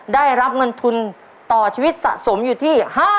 ได้รับเงินทุนต่อชีวิตสะสมอยู่ที่